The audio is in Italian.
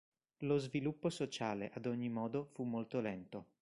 Lo sviluppo sociale, ad ogni modo, fu molto lento.